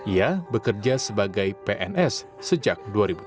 ia bekerja sebagai pns sejak dua ribu dua